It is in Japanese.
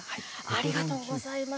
ありがとうございます。